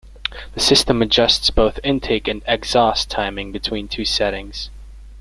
The system adjusts both intake and exhaust timing between two settings.